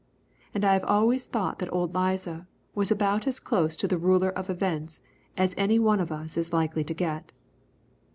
And I have always thought that old Liza was about as close to the Ruler of Events as any one of us is likely to get.